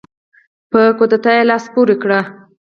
په کودتا یې لاس پورې کړ.